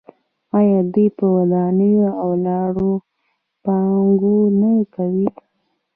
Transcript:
آیا دوی په ودانیو او لارو پانګونه نه کوي؟